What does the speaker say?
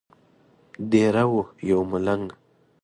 دیره وو یو ملنګ.